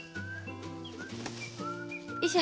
よいしょ。